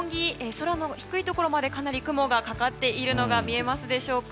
空の低いところまでかなり雲がかかっているのが見えますでしょうか。